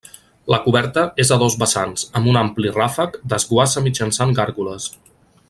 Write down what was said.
La coberta és a dos vessants, amb un ampli ràfec, desguassa mitjançant gàrgoles.